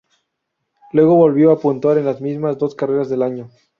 Luego volvió a puntuar en las últimas dos carreras del año.